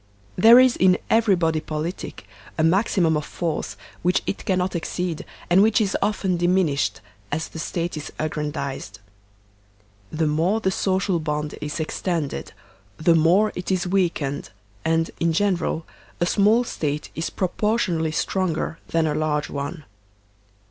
There is in every body politic a maximum of force which it cannot exceed, and which is often dimin ished as the State is aggrandized. The more the social bond is extended, the more it is weakened; and, in gen 40 THE SOCIAL CONTRACT eraly a small State is proportionally stronger than a large one.